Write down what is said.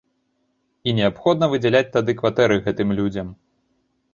І неабходна выдзяляць тады кватэры гэтым людзям.